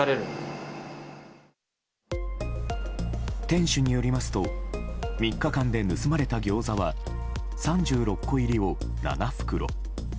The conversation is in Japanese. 店主によりますと３日間で盗まれたギョーザは３６個入りを７袋。